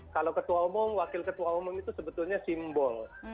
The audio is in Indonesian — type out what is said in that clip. kalau ketua umum wakil ketua umum itu sebetulnya simbol